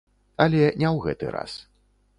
Але не ў гэты раз.